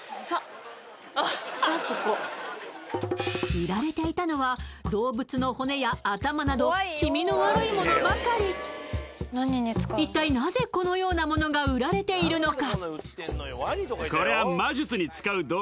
売られていたのは動物の骨や頭など気味の悪いものばかり一体なぜこのようなものが売られているのか？